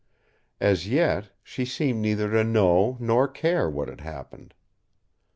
As yet she seemed neither to know nor care what had happened.